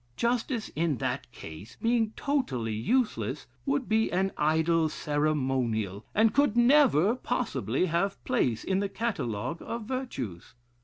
Justice, in that case, being totally useless, would be an idle ceremonial, and could never possibly have place in the catalogue of virtues.